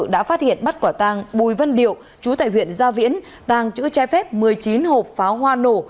đã phát hiện bắt quả tang bùi vân điệu trú tại huyện gia viễn tang chữ trái phép một mươi chín hộp pháo hoa nổ